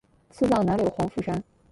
赐葬南柳黄府山。